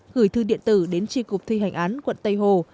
gửi thư điện tử đến tri cục thi hành án quận tây hồ